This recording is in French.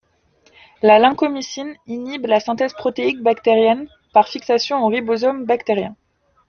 La lincomycine inhibe la synthèse protéique bactérienne par fixation au ribosome bactérien.